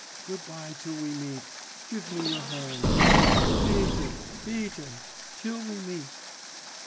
Good bye till we meet.... Give me your hand, vite, vite. Till we meet.